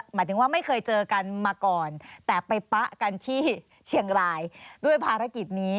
หมายถึงว่าไม่เคยเจอกันมาก่อนแต่ไปปะกันที่เชียงรายด้วยภารกิจนี้